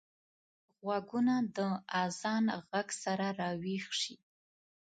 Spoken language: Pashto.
غوږونه د اذان غږ سره راويښ شي